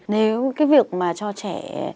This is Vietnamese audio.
nếu cái việc mà cho trẻ